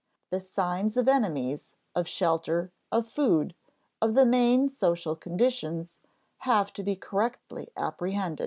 The signs of enemies, of shelter, of food, of the main social conditions, have to be correctly apprehended.